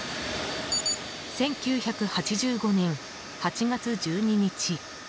１９８５年８月１２日。